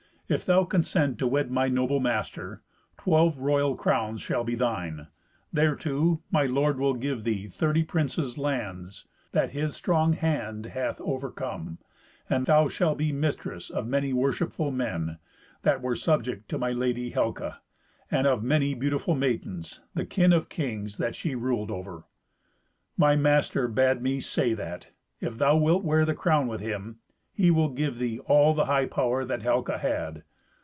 If thou consent to wed my noble master, twelve royal crowns shall be thine; thereto, my lord will give thee thirty princes' lands that his strong hand hath overcome. And thou shalt be mistress of many worshipful men, that were subject to my lady Helca, and of many beautiful maidens, the kin of kings, that she ruled over. My master bade me say that, if thou wilt wear the crown with him, he will give thee all the high power that Helca had.